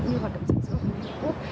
như hoạt động gìn giữ hòa bình liên hợp quốc